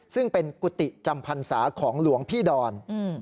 ซึ่งเป็นกุฏิจำพรรษาของหลวงพี่ดอน